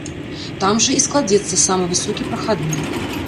Там жа і складзецца самы высокі прахадны.